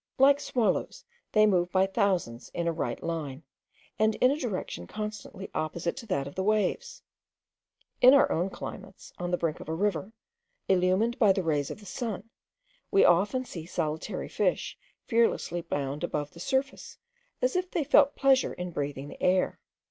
Like swallows, they move by thousands in a right line, and in a direction constantly opposite to that of the waves. In our own climates, on the brink of a river, illumined by the rays of the sun, we often see solitary fish fearlessly bound above the surface as if they felt pleasure in breathing the air.